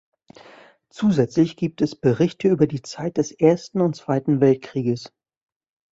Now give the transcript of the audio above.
Zusätzlich gibt es Berichte über die Zeit des Ersten und Zweiten Weltkrieges.